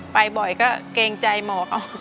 ไปบ่อยก็เกรงใจหมอ